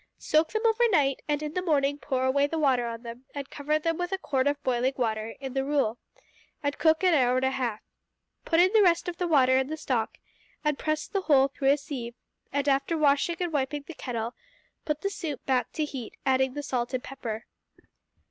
Soak them overnight, and in the morning pour away the water on them and cover them with a quart of the boiling water in the rule, and cook an hour and a half. Put in the rest of the water and the stock, and press the whole through a sieve, and, after washing and wiping the kettle, put the soup back to heat, adding the salt and pepper.